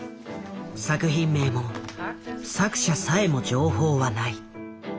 作品名も作者さえも情報はない。